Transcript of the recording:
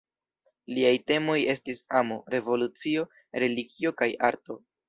Liaj temoj estis amo, revolucio, religio kaj arto.